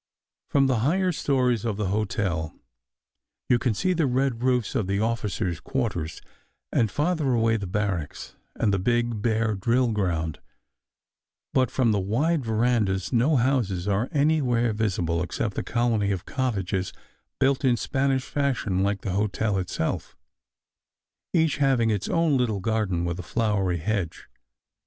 From the higher stories of the hotel you can see the red roofs of the officers quarters, and farther away the barracks and the big, bare drill ground, but from the wide verandas no houses are anywhere visible, except the colony of cottages built in Spanish fashion like the hotel itself, each having its own little garden with a flowery hedge.